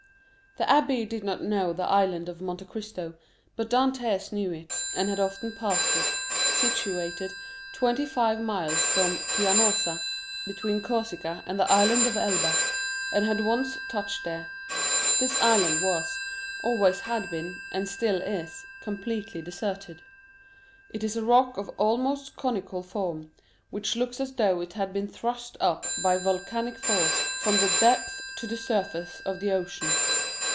The abbé did not know the Island of Monte Cristo; but Dantès knew it, and had often passed it, situated twenty five miles from Pianosa, between Corsica and the Island of Elba, and had once touched there. This island was, always had been, and still is, completely deserted. It is a rock of almost conical form, which looks as though it had been thrust up by volcanic force from the depth to the surface of the ocean.